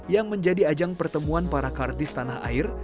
yang menjadi ajang pertemuan para kartis tanah air